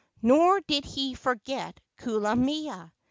Nor did he forget Kulamea.